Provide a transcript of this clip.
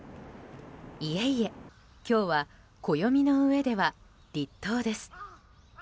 いえいえ今日は暦のうえでは立冬です。